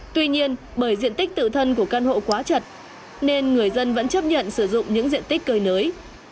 tuy nhiên bởi diện tích tự thân của căn hộ quá chật nên người dân vẫn chấp nhận sử dụng những diện tích cơi nới